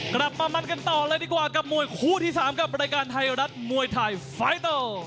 กลับมามันกันต่อเลยดีกว่ากับมวยคู่ที่๓กับรายการไทยรัฐมวยไทยไฟเตอร์